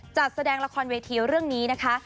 จัดแสดงละครเวทีเรื่องนี้นะคะ